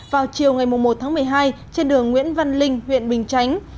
vào chiều ngày một tháng một mươi hai trên đường nguyễn văn linh huyện bình chánh